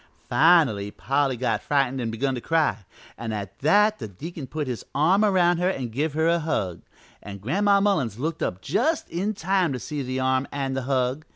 "Finally Polly got frightened and begun to cry, an' at that the deacon put his arm around her an' give her a hug, an' Gran'ma Mullins looked up just in time to see the arm an' the hug.